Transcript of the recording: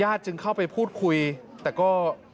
จึงเข้าไปพูดคุยแต่ก็